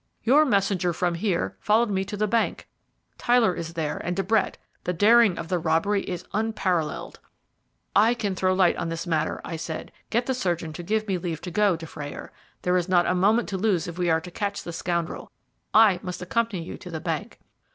Your messenger from here followed me to the bank. Tyler is there and De Brett. The daring of the robbery is unparalleled." "I can throw light on this matter," I said. "Get the surgeon to give me leave to go, Dufrayer. There is not a moment to lose if we are to catch the scoundrel. I must accompany you to the bank."